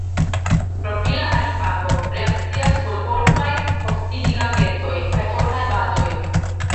Propila adipato reakcias kun fortaj oksidigagentoj kaj fortaj bazoj.